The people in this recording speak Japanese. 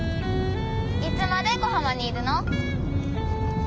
いつまで小浜にいるの？